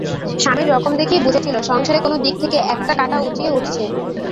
স্বামীর রকম দেখেই বুঝেছিল সংসারে কোনো দিক থেকে একটা কাঁটা উচিয়ে উঠেছে।